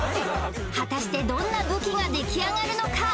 果たしてどんな武器が出来上がるのか？